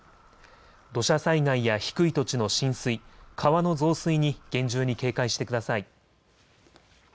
土砂災害や低い土地の浸水、川の増水に厳重に警戒してください。